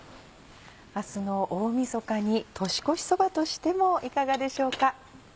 明日の大みそかに年越しそばとしてもいかがでしょうか？